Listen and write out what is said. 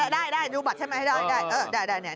ได้ดูบัตรใช่ไหม